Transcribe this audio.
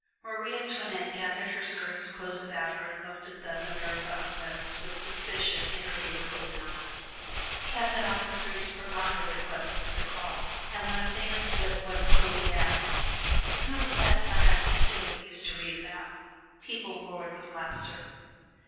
Marie Antoinette gathered her skirts close about her and looked at the "Minerva of Letters" with suspicion in her big, open eyes; cabinet officers forgot her requests to call, and when a famous wit once coolly asked, "Who was that Madame De Stael we used to read about?" people roared with laughter.